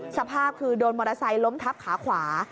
สภาพคือโดนมอเตอร์ไซค์ล้มทับขาขวา